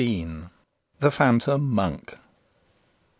THE PHANTOM MONK.